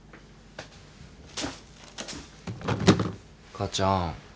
母ちゃん。